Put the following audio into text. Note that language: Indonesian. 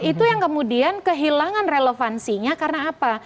itu yang kemudian kehilangan relevansinya karena apa